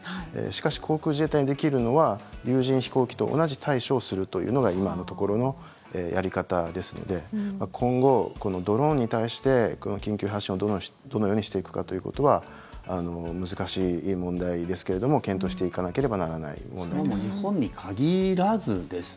しかし、航空自衛隊にできるのは有人飛行機と同じ対処をするというのが今のところのやり方ですので今後、ドローンに対して緊急発進をどのようにしていくかということは難しい問題ですけれども検討していかなければならない問題です。